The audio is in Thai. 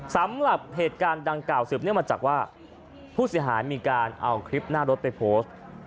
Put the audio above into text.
สำหรับเหตุการณ์ดังกล่าวสืบเนื่องมาจากว่าผู้เสียหายมีการเอาคลิปหน้ารถไปโพสต์